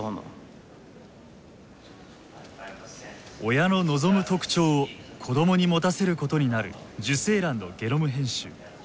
親の望む特徴を子供に持たせることになる受精卵のゲノム編集。